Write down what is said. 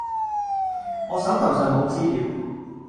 我手頭上冇資料